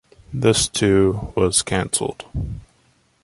This, too, was canceled.